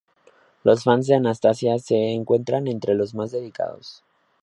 Los fans de Anastacia se encuentran entre los más dedicados.